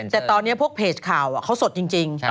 แต่ตอนนี้พวกเพจข่าวเขาสดจริง